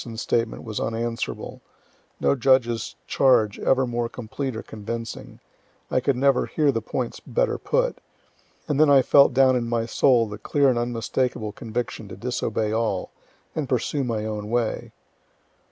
's statement was unanswerable, no judge's charge ever more complete or convincing, I could never hear the points better put and then I felt down in my soul the clear and unmistakable conviction to disobey all, and pursue my own way.